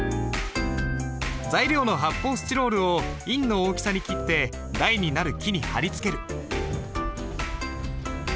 材料の発泡スチロールを印の大きさに切って台になる木に貼り付ける。